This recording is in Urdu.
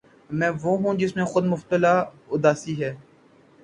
میں وہ ہوں جس میں کہ خود مبتلا اُداسی ہے